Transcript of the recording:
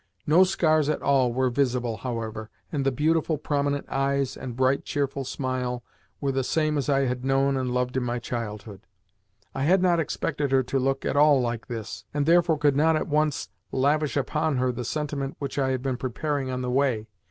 No scars at all were visible, however, and the beautiful, prominent eyes and bright, cheerful smile were the same as I had known and loved in my childhood. I had not expected her to look at all like this, and therefore could not at once lavish upon her the sentiment which I had been preparing on the way.